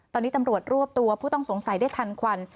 ตอนนี้ตำรวจรวบตัวผู้ต้องสงสัยได้ทันควัน